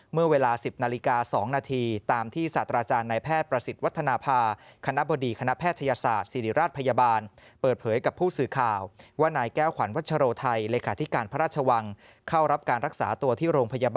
เมื่อเวลา๑๐นาฬิกา๒นาที